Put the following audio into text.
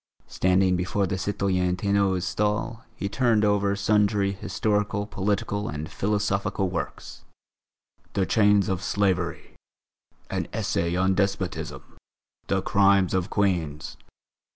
Standing before the citoyenne Ténot's stall, he turned over sundry historical, political, and philosophical works: "The Chains of Slavery," "An Essay on Despotism," "The Crimes of Queens."